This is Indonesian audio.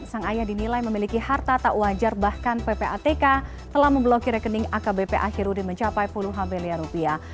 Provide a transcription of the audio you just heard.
sang ayah dinilai memiliki harta tak wajar bahkan ppatk telah memblokir rekening akbp akhirudin mencapai puluhan miliar rupiah